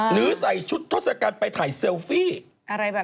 หรือใส่ชุดทศกัณฐ์ไปถ่ายเซลฟี่